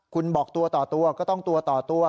คุณบอกตัวต่อตัวก็ต้องตัวต่อตัว